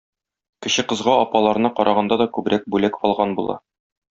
Кече кызга апаларына караганда да күбрәк бүләк алган була.